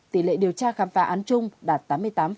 tỷ lệ điều tra khám phá án trung đạt tám mươi tám bảy mươi năm